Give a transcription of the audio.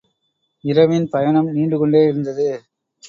இரவின் பயணம் நீண்டு கொண்டே இருந்தது.